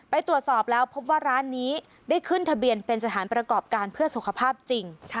ไปตรวจสอบแล้วพบว่าร้านนี้ได้ขึ้นทะเบียนเป็นสถานประกอบการเพื่อสุขภาพจริง